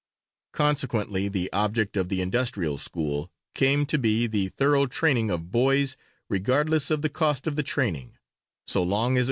Consequently the object of the industrial school came to be the thorough training of boys regardless of the cost of the training, so long as it was thoroughly well done.